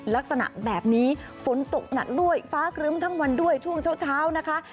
ลักษณะแบบนี้ฝนตกหนักด้วยฟ้าครึ้มทั้งวันด้วยช่วงเช้านะคะ